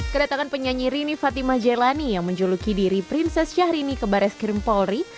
kedatangan penyanyi rini fatimah jelani yang menjuluki diri prinses syahrini ke baris krim polri